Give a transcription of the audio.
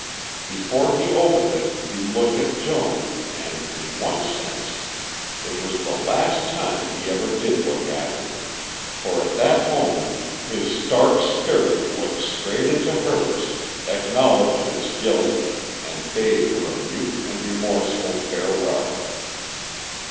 Before he opened it he looked at Joan and, in one sense, it was the last time he ever did look at her; for at that moment his stark spirit looked straight into hers, acknowledged its guilt, and bade her a mute and remorseful farewell.